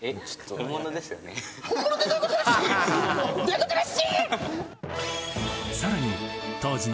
本物ってどういうことなっし！